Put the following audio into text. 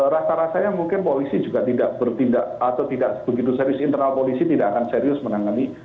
rasa rasanya mungkin polisi juga tidak bertindak atau tidak begitu serius internal polisi tidak akan serius menangani